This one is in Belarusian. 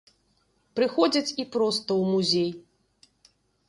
Прыходзяць і проста ў музей.